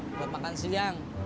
belum makan siang